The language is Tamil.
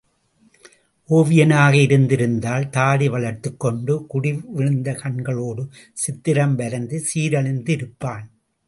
ஒவியனாக இருந்திருந்தால் தாடி வளர்த்துக் கொண்டு குழிவிழுந்த கண்களோடு சித்திரம் வரைந்து சீரழிந்து இருப்பான்.